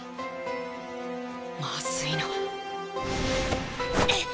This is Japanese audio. まずいな。